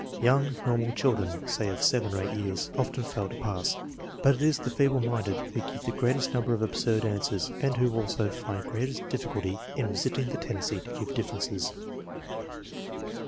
Young normal children, say of 7 or 8 years, often fail to pass, but it is the feeble minded who give the greatest number of absurd answers and who also find greatest difficulty in resisting the tendency to give differences.